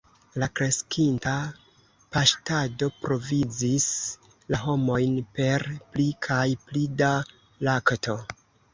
La kreskinta paŝtado provizis la homojn per pli kaj pli da lakto.